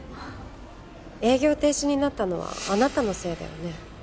営業停止になったのはあなたのせいだよね？